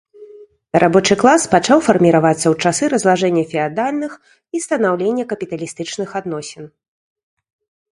Рабочы клас пачаў фарміравацца ў часы разлажэння феадальных і станаўлення капіталістычных адносін.